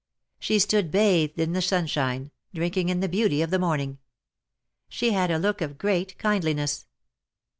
She stood bathed in the sunshine, drinking in the beauty of the morning. She had a look of great kindliness.